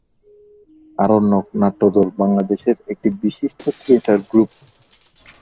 আরণ্যক নাট্যদল বাংলাদেশের একটি বিশিষ্ট থিয়েটার গ্রুপ।